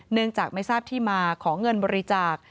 เนื่องจากไม่ทราบที่มาของเงินบริจาค